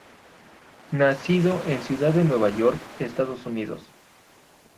Nacido en Ciudad de Nueva York, Estados Unidos.